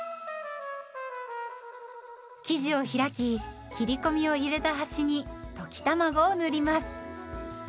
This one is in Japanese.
生地を開き切り込みを入れた端に溶き卵を塗ります。